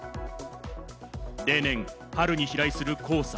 例年春に飛来する黄砂。